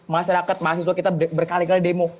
masyarakat mahasiswa kita berkali kali demo